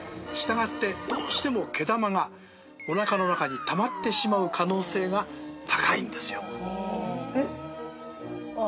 従ってどうしても毛玉がおなかの中にたまってしまう可能性が高いんですよ。